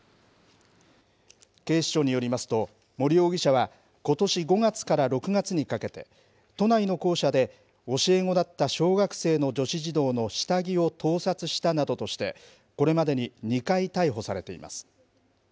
警視庁によりますと、森容疑者は、ことし５月から６月にかけて、都内の校舎で教え子だった小学生の女子児童の下着を盗撮したなどとして、これまでに２回逮捕されています。